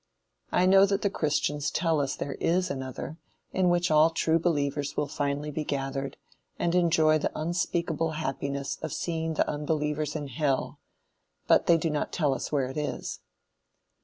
I know that the Christians tell us there is another, in which all true believers will finally be gathered, and enjoy the unspeakable happiness of seeing the unbelievers in hell; but they do not tell us where it is.